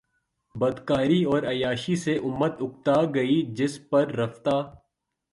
بدکرداری اور عیاشی سے امت اکتا گئ جس پر رفتہ